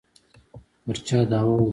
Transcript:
پر چا دعوه وکړي.